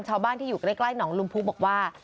ชาวบ้านที่อยู่ใกล้หนองลุมพุบอกว่า